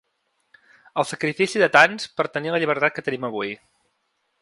El sacrifici de tants per a tenir la llibertat que tenim avui.